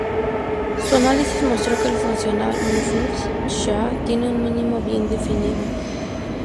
Su análisis mostró que el funcional Mumford–Shah tiene un mínimo bien definido.